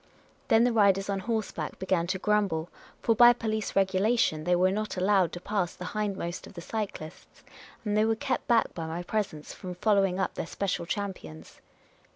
Then the riders on horseback began to grumble ; for by police regulation they were not allowed to pass the hindmost of the cyclists ; and they were kept back by my presence from following up their special champions.